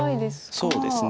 そうですね。